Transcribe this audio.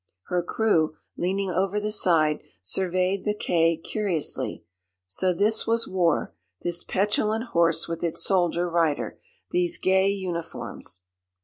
Her crew, leaning over the side, surveyed the quay curiously. So this was war this petulant horse with its soldier rider, these gay uniforms!